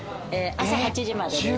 朝８時までです。